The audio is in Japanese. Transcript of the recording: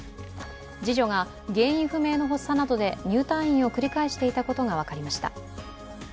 次女が原因不明の発作などで入退院を繰り返していたことが分かりました。